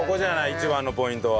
一番のポイントは。